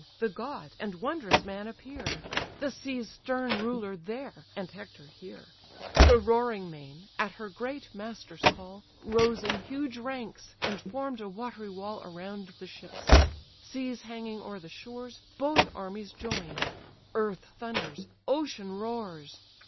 the god, and wondrous man, appear: The sea's stern ruler there, and Hector here. The roaring main, at her great master's call, Rose in huge ranks, and form'd a watery wall Around the ships: seas hanging o'er the shores, Both armies join: earth thunders, ocean roars.